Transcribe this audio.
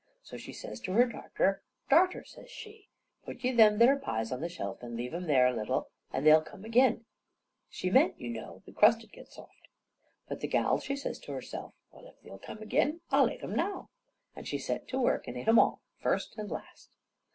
So she says to her darter: "Darter," says she, "put you them there pies on the shelf an' leave 'em there a little, an' they'll come agin " She meant, you know, the crust 'ud get soft. But the gal, she says to herself, "Well, if they'll come agin, I'll ate 'em now." And she set to work and ate 'em all, first and last.